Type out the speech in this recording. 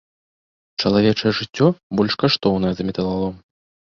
Чалавечае жыццё больш каштоўнае за металалом.